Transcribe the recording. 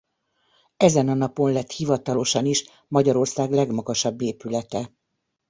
Ezen a napon lett hivatalosan is Magyarország legmagasabb épülete.